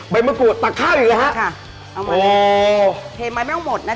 ดั้งไปร่วมตัวตากข้าวรรดิ